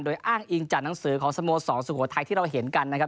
โดยอ้างอิงจากหนังสือของสโมสรสุโขทัยที่เราเห็นกันนะครับ